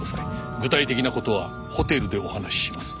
「具体的な事はホテルでお話しします」